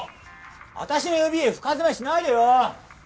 私の指深爪しないでよ！